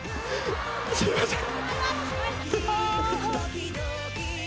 すいません。